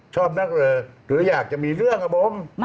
ชอบนั่งเรือหรืออยากจะมีเรื่องกับผม